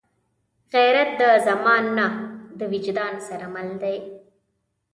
غیرت د زمان نه، د وجدان سره مل دی